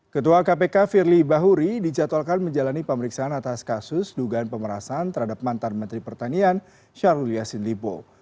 ketua kpk firly bahuri dijadwalkan menjalani pemeriksaan atas kasus dugaan pemerasan terhadap mantan menteri pertanian syahrul yassin limpo